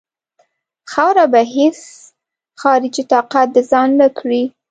خاوره به هیڅ خارجي طاقت د ځان نه کړي.